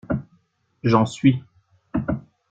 J'en suis